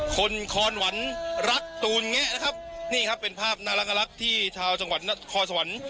คนคอนหวันรักตูนแงะนะครับนี่ครับเป็นภาพน่ารักน่ารักที่ชาวจังหวัดนักคอนสะวัน